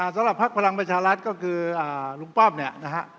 สำหรับภักดิ์พลังประชารัฐก็คือลุงป้อมเนี่ยนะฮะ